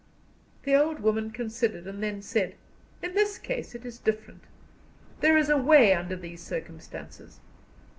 The old woman considered, and then said: "In this case it is different. There is a way under these circumstances.